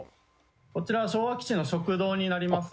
こちらは昭和基地の食堂になります。